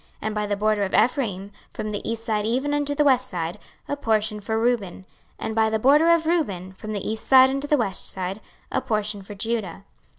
26:048:006 And by the border of Ephraim, from the east side even unto the west side, a portion for Reuben. 26:048:007 And by the border of Reuben, from the east side unto the west side, a portion for Judah.